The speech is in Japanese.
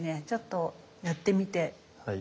ちょっとやってみて。